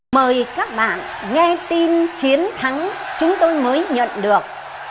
mời các bạn nghe tin chiến thắng chúng tôi mới nhận được